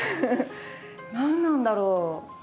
何なんだろう？